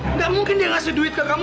enggak mungkin dia ngasih duit ke kamu